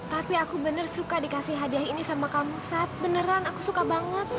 tapi aku bener suka dikasih hadiah ini sama kamu saat beneran aku suka banget